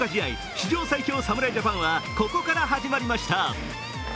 史上最強ジャパンは、ここから始まりました。